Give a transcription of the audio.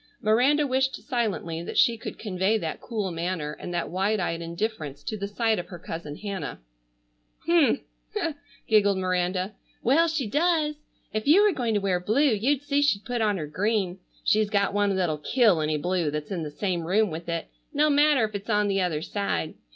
Miranda wished silently that she could convey that cool manner and that wide eyed indifference to the sight of her cousin Hannah. "H'm!" giggled Miranda. "Well, she does! If you were going to wear blue you'd see she'd put on her green. She's got one that'll kill any blue that's in the same room with it, no matter if it's on the other side.